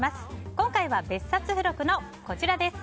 今回は別冊付録のこちらです。